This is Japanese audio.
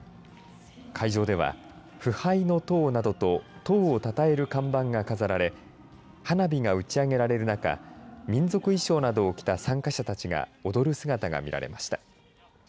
会場では、不敗の党などと党をたたえる看板が飾られ花火が打ち上げられる中民族衣装などを着た参加者たちが踊る姿が見られました。